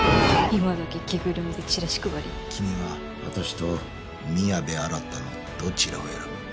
君は私と宮部新のどちらを選ぶ？